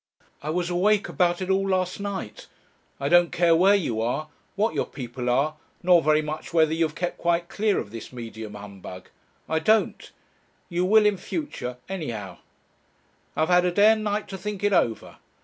I was awake about it all last night. I don't care where you are, what your people are, nor very much whether you've kept quite clear of this medium humbug. I don't. You will in future. Anyhow. I've had a day and night to think it over.